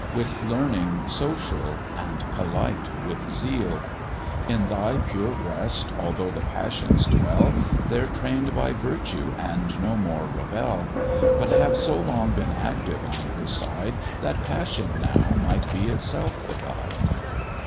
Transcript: With learning social, and polite with zeal: In thy pure breast although the passions dwell, They're train'd by virtue, and no more rebel; But have so long been active on her side, That passion now might be itself the guide.